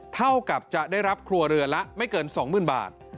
เท่ากับจะได้รับครัวเรือนละไม่เกิน๒๐๐๐บาท